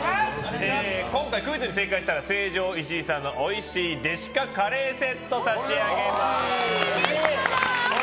今回クイズに正解したら成城石井さんのおいしいｄｅｓｉｃａカレーセットを差し上げます。